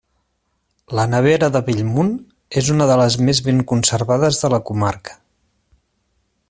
La nevera de Bellmunt és una de les més ben conservades de la comarca.